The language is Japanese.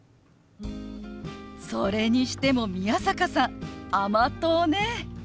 それにしても宮坂さん甘党ね。